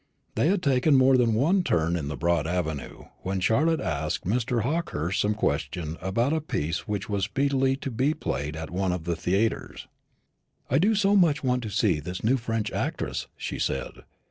They had taken more than one turn in the broad avenue, when Charlotte asked Mr. Hawkehurst some question about a piece which was speedily to be played at one of the theatres. "I do so much want to see this new French actress," she said.